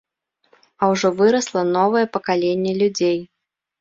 А ўжо вырасла новае пакаленне людзей.